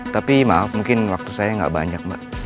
tapi maaf mungkin waktu saya nggak banyak mbak